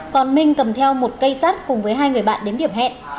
còn minh cầm theo một cây sát cùng với hai người bạn đến điểm hẹn